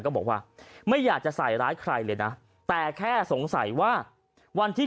ก็บอกว่าไม่อยากจะใส่ร้ายใครเลยนะแต่แค่สงสัยว่าวันที่